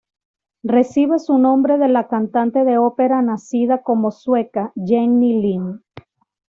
Recibe su nombre de la cantante de ópera nacida como sueca, Jenny Lind.